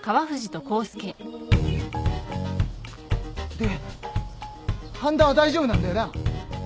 で半田は大丈夫なんだよな？